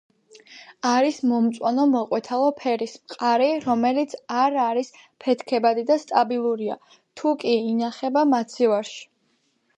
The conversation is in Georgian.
არის მომწვანო-მოყვითალო ფერის, მყარი, რომელიც არ არის ფეთქებადი და სტაბილურია, თუ კი ინახება მაცივარში.